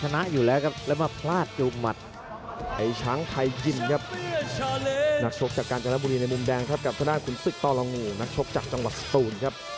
ในมุมแดงครับกับข้างหน้าขุนซึกตรงูนักชกจากจังหวะสตูนครับ